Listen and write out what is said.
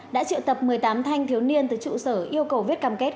đã triệu tập một mươi tám thanh thiếu niên từ trụ sở yêu cầu viết cam kết